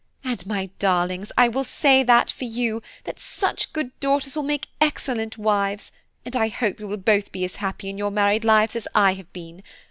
And, my darlings, I will say that for you, that such good daughters will make excellent wives, and I hope you will both be as happy in your married lives as I have been.